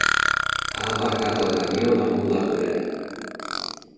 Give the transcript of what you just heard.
Ha aparcat el camió damunt la vorera.